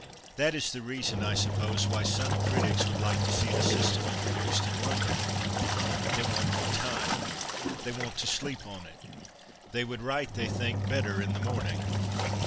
That is the reason, I suppose, why some critics would like to see the system introduced in London. They want more time. They want to sleep on it. They would write, they think, better in the morning.